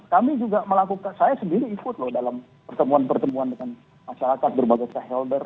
kami juga melakukan saya sendiri ikut loh dalam pertemuan pertemuan dengan masyarakat berbagai stakeholder